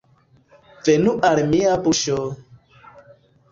Venu al mia buŝo!